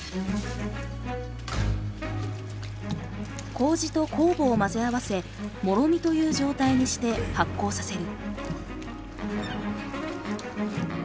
麹と酵母を混ぜ合わせもろみという状態にして発酵させる。